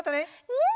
うん！